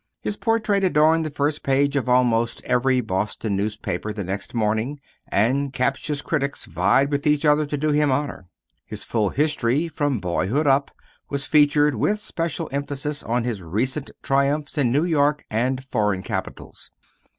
His portrait adorned the front page of almost every Boston newspaper the next morning, and captious critics vied with each other to do him honor. His full history, from boyhood up, was featured, with special emphasis on his recent triumphs in New York and foreign capitals.